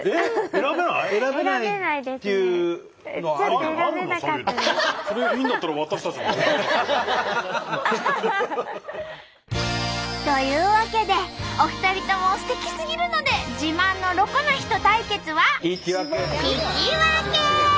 それでいいんだったらハハハハ！というわけでお二人ともすてきすぎるので自慢のロコな人対決は引き分け！